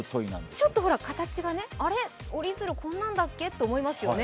ちょっと形が、折り鶴、こんなんだっけ？と思いますよね。